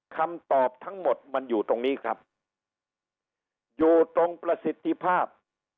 คำตอบทั้งหมดมันอยู่ตรงนี้ครับอยู่ตรงประสิทธิภาพ